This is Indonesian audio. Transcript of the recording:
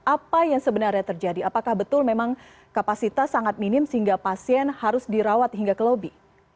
apa yang sebenarnya terjadi apakah betul memang kapasitas sangat minim sehingga pasien harus dirawat hingga ke lobi